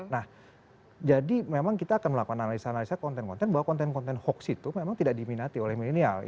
nah jadi memang kita akan melakukan analisa analisa konten konten bahwa konten konten hoax itu memang tidak diminati oleh milenial